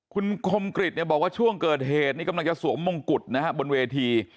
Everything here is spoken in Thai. คุณคมกริจบอกว่าช่วงเกิดเหตุนี่กำลังจะสวมมงกุฎนะฮะบนเวที